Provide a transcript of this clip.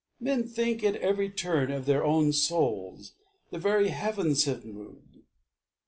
Men think, at every turn Of their own souls, the very heavens have moved.